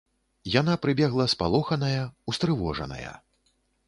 Яна прыбегла спалоханая, устрывожаная.